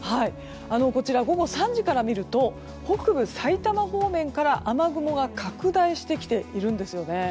午後３時から見ると北部さいたま方面から雨雲が拡大してきているんです。